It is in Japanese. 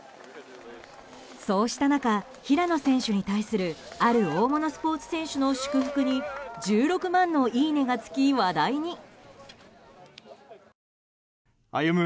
そうした中、平野選手に対するある大物スポーツ選手の祝福に１６万のいいねがつき話題に。